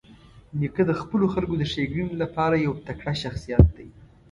نیکه د خپلو خلکو د ښېګڼې لپاره یو تکړه شخصیت دی.